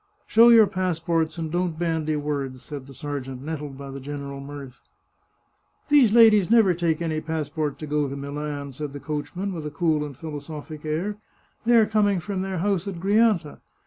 " Show your passports, and don't bandy words !" said the sergeant, nettled by the general mirth. " These ladies never take any passport to go to Milan," said the coachman, with a cool and philosophic air ;" they are coming from their house at Grianta.